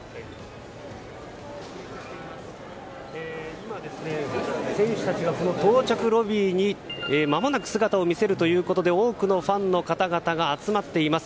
今、選手たちが到着ロビーにまもなく姿を見せるとあって多くのファンの方々が集まっています。